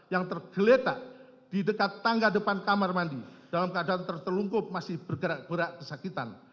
yang tergeletak di dekat tangga depan kamar mandi dalam keadaan tertelungkup masih bergerak gerak kesakitan